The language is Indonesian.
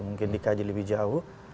mungkin dikaji lebih jauh